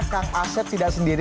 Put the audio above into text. kak asep tidak sendiri